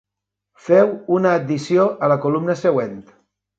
Feu una addició a la columna següent.